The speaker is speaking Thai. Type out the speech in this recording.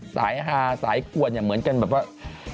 สายฮาสายกวนเนี่ยเหมือนกันแบบว่า